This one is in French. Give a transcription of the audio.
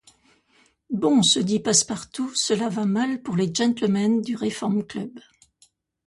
Bon ! se dit Passepartout, cela va mal pour les gentlemen du Reform-Club !